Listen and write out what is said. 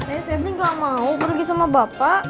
eh febri gak mau pergi sama bapak